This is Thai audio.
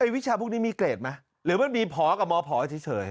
วิชาพวกนี้มีเกรดมั้ยมผกับมผเฉย